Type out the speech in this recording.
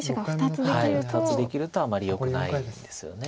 ２つできるとあまりよくないんですよね。